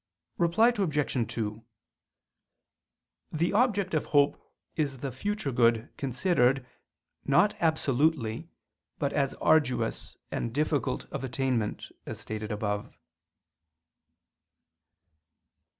Reply Obj. 2: The object of hope is the future good considered, not absolutely, but as arduous and difficult of attainment, as stated above.